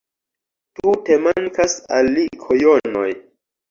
Tute mankas al li kojonoj